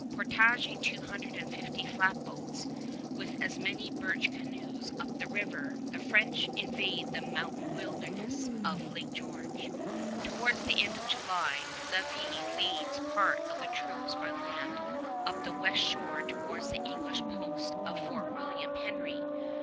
Portaging two hundred and fifty flatboats with as many birch canoes up the river, the French invade the mountain wilderness of Lake George. Towards the end of July, Lévis leads part of the troops by land up the west shore towards the English post of Fort William Henry.